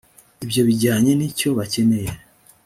ibyo bijyanye n’icyo bakeneye